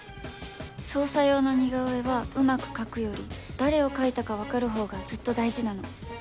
捜査用の似顔絵はうまく描くより誰を描いたか分かるほうがずっと大事なの。